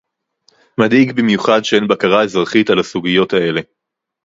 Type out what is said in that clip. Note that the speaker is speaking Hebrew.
מדאיג במיוחד שאין בקרה אזרחית על הסוגיות האלה